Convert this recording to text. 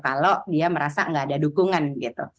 kalau dia merasa nggak ada dukungan gitu